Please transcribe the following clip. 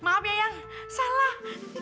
maaf ya yang salah